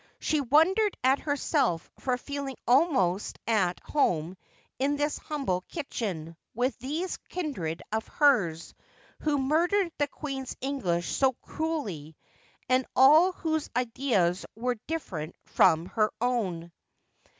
She wondered at herself for feeling almost at home in this humble kitchen, with these kindred of hers, who murdered the Queen's English so cruelly, and all whose ideas were different from her own.